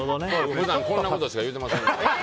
普段、こんなことしか言うてませんので。